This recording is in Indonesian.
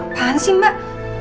apaan sih mbak